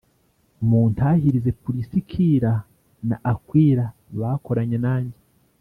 Muntahirize Purisikila na Akwila bakoranye nanjye